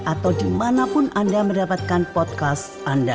atau dimanapun anda mendapatkan podcast anda